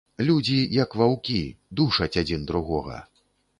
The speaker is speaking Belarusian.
Людзі, як ваўкі, душаць адзін другога.